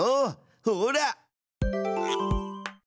ほら！